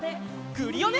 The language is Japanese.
クリオネ！